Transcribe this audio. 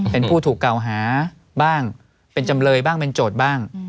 เป็นผู้ถูกกล่าวหาบ้างเป็นจำเลยบ้างเป็นโจทย์บ้าง